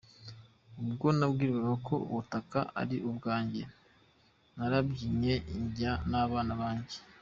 Ubwo nabwirwaga ko ubutaka ari ubwanjye narabyinnye njya n’abana banjye.